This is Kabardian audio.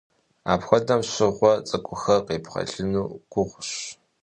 Апхуэдэхэм щыгъуэ цӀыкӀухэр къебгъэлыну гугъущ.